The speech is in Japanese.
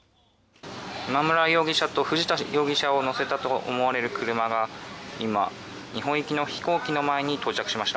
今村容疑者と藤田容疑者を乗せたと思われる車が今、日本行きの飛行機の前に到着しました。